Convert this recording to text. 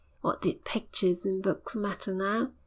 What did pictures and books matter now?